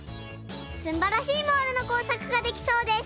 すんばらしいモールのこうさくができそうです！